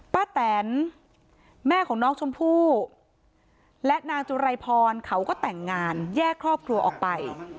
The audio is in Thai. แตนแม่ของน้องชมพู่และนางจุไรพรเขาก็แต่งงานแยกครอบครัวออกไป